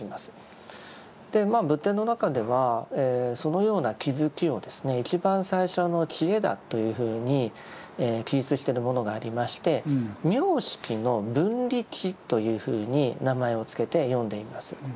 でまあ仏典の中ではそのような気づきを一番最初の智恵だというふうに記述してるものがありまして「名色の分離智」というふうに名前を付けて呼んでいます。